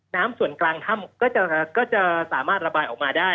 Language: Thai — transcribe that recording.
ส่วนกลางถ้ำก็จะสามารถระบายออกมาได้